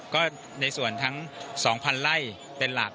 ก็ในส่วนทั้ง๒๐๐๐ไร่เป็นหลัก